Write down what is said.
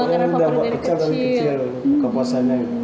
karena udah buat pecel dari kecil buka puasanya